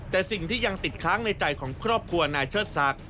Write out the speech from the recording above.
แต่สิ่งที่ยังติดค้างในใจของครอบครัวนายเชิดศักดิ